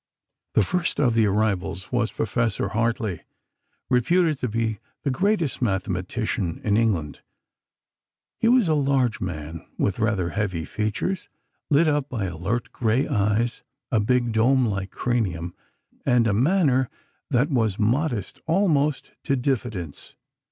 The first of the arrivals was Professor Hartley, reputed to be the greatest mathematician in England. He was a large man with rather heavy features, lit up by alert grey eyes, a big, dome like cranium, and a manner that was modest almost to diffidence.